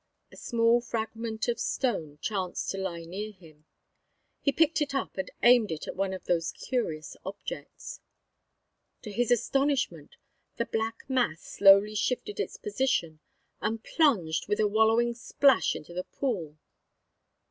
A small fragment of stone chanced to lie near him. He picked it up and aimed it at one of these curious objects. To his astonishment the black mass slowly shifted its position and plunged with a wallowing splash into the pool.